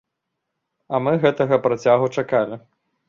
А мы гэтага працягу чакалі.